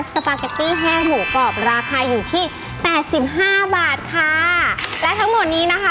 สปาเกตตี้แห้งหมูกรอบราคาอยู่ที่แปดสิบห้าบาทค่ะและทั้งหมดนี้นะคะ